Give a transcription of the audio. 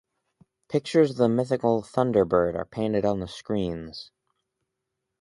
Pictures of the mythical thunderbird are painted on the screens.